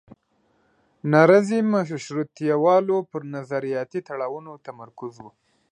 نارضي مشروطیه والو پر نظریاتي تړاوونو تمرکز و.